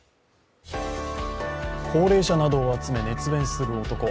高齢者などを集め、熱弁する男。